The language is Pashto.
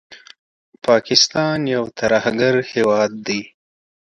پاکستان یو ترهګر هېواد دی